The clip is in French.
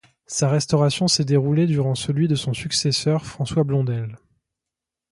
Sa restauration s’est déroulée durant celui de son successeur François Blondel.